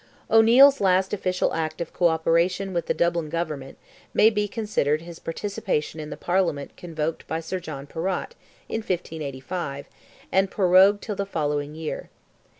O'Neil's last official act of co operation with the Dublin government may be considered his participation in the Parliament convoked by Sir John Perrott in 1585, and prorogued till the following year.